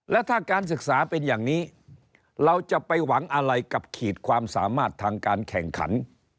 แล้วถ้าการศึกษาเป็นอย่างนี้เราจะไปหวังอะไรกับขีดความสามารถทางการแข่งขัน